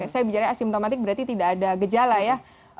saya bicaranya asimptomatik berarti tidak ada gejala ya